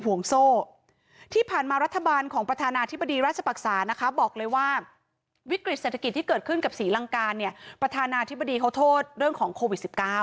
วิกฤติเศรษฐกิจที่เกิดขึ้นกับสีลังกาเนี่ยประธานาธิบดีเขาโทษเรื่องของโควิด๑๙